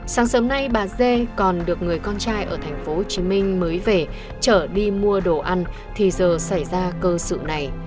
sáng sớm nay bà dê còn được người con trai ở tp hcm mới về trở đi mua đồ ăn thì giờ xảy ra cơ sự này